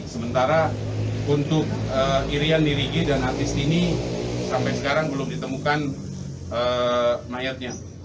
sementara untuk irian nirigi dan artis ini sampai sekarang belum ditemukan mayatnya